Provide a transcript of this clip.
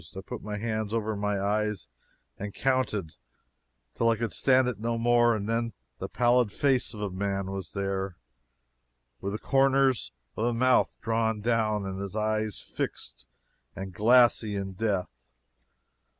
I put my hands over my eyes and counted till I could stand it no longer, and then the pallid face of a man was there, with the corners of the mouth drawn down, and the eyes fixed and glassy in death!